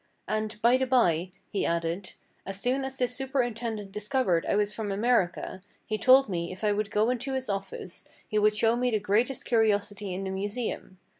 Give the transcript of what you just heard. "And, by the by," he added, "as soon as this superintendent discovered I was from America, he told me if I would go into his office he would show me the greatest curiosity in the Museum.